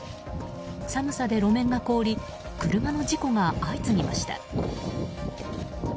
寒さで路面が凍り車の事故が相次ぎました。